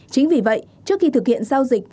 chính vì vậy trước khi thực hiện giao dịch